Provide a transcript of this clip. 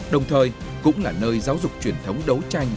đồng thời cũng là nơi giáo dục truyền thống đấu tranh